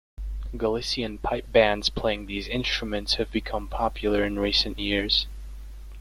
Galician pipe bands playing these instruments have become popular in recent years.